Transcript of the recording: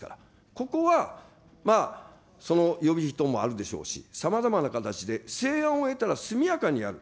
ここは予備費等もあるでしょうし、さまざまな形で成案を得たら速やかにやる。